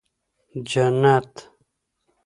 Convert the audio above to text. جنت